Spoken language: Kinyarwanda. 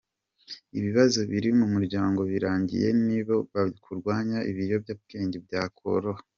Ibibazo biri mu muryango birangiye n’ibi byo kurwanya ibiyobyabwenge byakoroha.